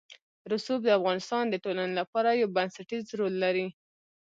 رسوب د افغانستان د ټولنې لپاره یو بنسټيز رول لري.